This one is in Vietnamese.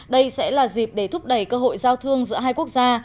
đây sẽ là dịp để thúc đẩy cơ hội giao thương giữa hai quốc gia